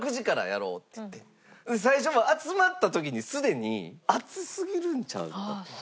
最初もう集まった時にすでに暑すぎるんちゃう？と。